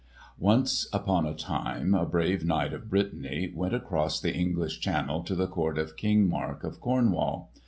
Once upon a time a brave knight of Brittany went across the English Channel to the court of King Mark of Cornwall.